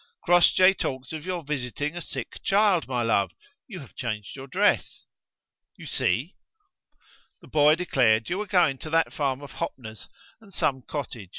"Crossjay talks of your visiting a sick child, my love: you have changed your dress?" "You see." "The boy declared you were going to that farm of Hoppner's, and some cottage.